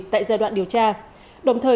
tại giai đoạn điều tra đồng thời